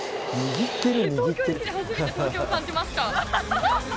東京に来て初めて東京を感じました。